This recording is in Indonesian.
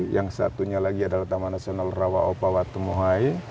yang satunya lagi adalah taman nasional rawa opa watemuhai